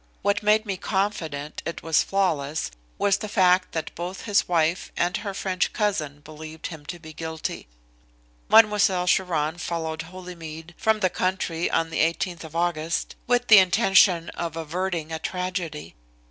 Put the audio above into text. What made me confident it was flawless was the fact that both his wife and her French cousin believed him to be guilty. Mademoiselle Chiron followed Holymead from the country on the 18th of August with the intention of averting a tragedy.